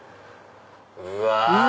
うわ！